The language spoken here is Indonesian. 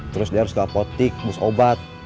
terus dia harus ke apotik bus obat